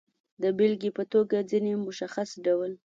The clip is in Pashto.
د بېلګې په توګه، ځینې مشخص ډول